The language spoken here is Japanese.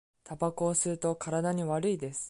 たばこを吸うと、体に悪いです。